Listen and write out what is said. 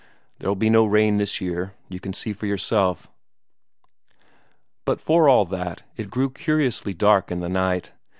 "There'll be no rain this year, you can see for yourself." But for all that, it grew curiously dark in the night.